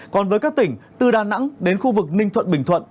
còn với các tỉnh từ đà nẵng đến khu vực ninh thuận bình thuận